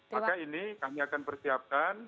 maka ini kami akan persiapkan